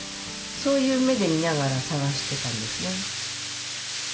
そういう目で見ながら探してたんですね。